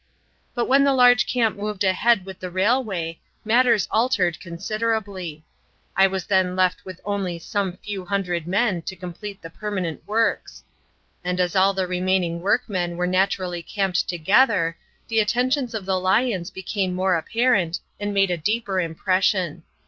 But when the large camp moved ahead with the railway, matters altered considerably. I was then left with only some few hundred men to complete the permanent works; and as all the remaining workmen were naturally camped together, the attentions of the lions became more apparent and made a deeper impression.